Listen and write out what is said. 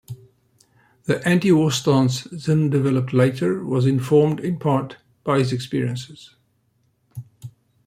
The anti-war stance Zinn developed later was informed, in part, by his experiences.